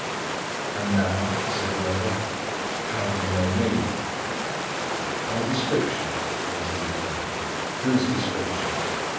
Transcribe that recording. "And now," said the other, "how did you know me?" "By description," was the reply. "Whose description?"